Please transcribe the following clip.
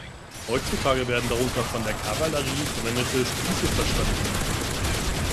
Heutzutage werden darunter von der Kavallerie verwendete Spieße verstanden.